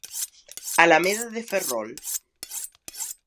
Alameda de Ferrol.